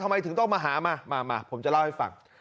ทำไมถึงต้องมาหามามาผมจะเล่าให้ฟัง